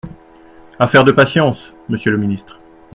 Affaire de patience, monsieur le ministre.